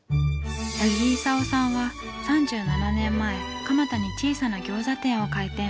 八木功さんは３７年前蒲田に小さな餃子店を開店。